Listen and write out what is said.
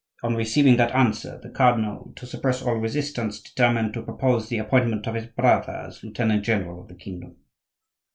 On receiving that answer the cardinal, to suppress all resistance, determined to propose the appointment of his brother as lieutenant general of the kingdom."